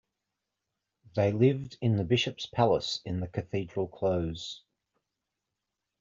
They lived in the Bishop's Palace in the Cathedral Close.